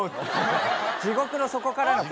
地獄の底からの声。